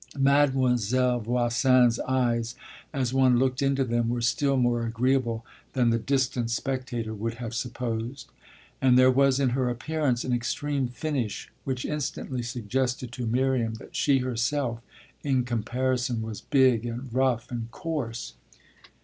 Mademoiselle Voisin's eyes, as one looked into them, were still more agreeable than the distant spectator would have supposed; and there was in her appearance an extreme finish which instantly suggested to Miriam that she herself, in comparison, was big and rough and coarse.